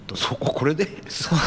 これで？